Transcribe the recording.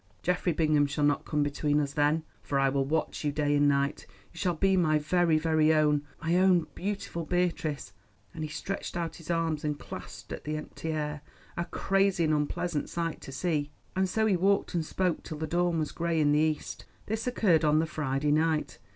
Geoffrey Bingham shall not come between us then, for I will watch you day and night. You shall be my very, very own—my own beautiful Beatrice," and he stretched out his arms and clasped at the empty air—a crazy and unpleasant sight to see. And so he walked and spoke till the dawn was grey in the east. This occurred on the Friday night.